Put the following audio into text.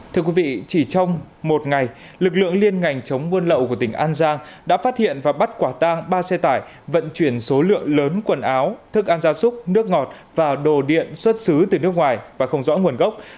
thưa quý vị chỉ trong một ngày lực lượng liên ngành chống buôn lậu của tỉnh an giang đã phát hiện và bắt quả tang ba xe tải vận chuyển số lượng lớn quần áo thức ăn gia súc nước ngọt và đồ điện xuất xứ từ nước ngoài và không rõ nguồn gốc